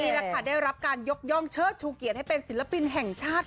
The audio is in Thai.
นี่แหละค่ะได้รับการยกย่องเชิดชูเกียรติให้เป็นศิลปินแห่งชาติ